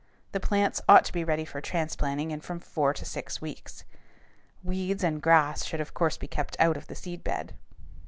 The plants ought to be ready for transplanting in from four to six weeks. Weeds and grass should of course be kept out of the seed bed.